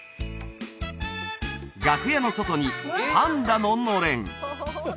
楽屋の外にパンダののれん